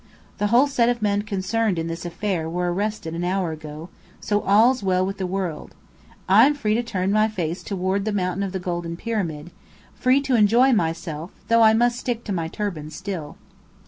The whole set of men concerned in this affair were arrested an hour ago, so all's well with the world! I'm free to turn my face toward the Mountain of the Golden Pyramid free to enjoy myself, although I must stick to my turban still."